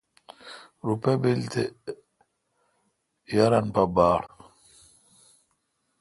روپہ بیل تو تے یاران پہ باڑ۔